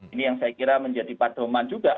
ini yang saya kira menjadi padoman juga